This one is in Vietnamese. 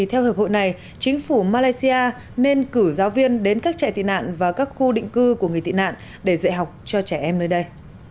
theo hiệp hội này chính phủ malaysia nên cử giáo viên đến các trại tị nạn và các khu định cư của người tị nạn để dạy học cho trẻ em nơi đây